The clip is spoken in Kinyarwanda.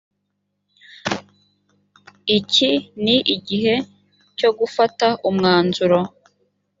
iki ni igihe cyo gufata umwanzuro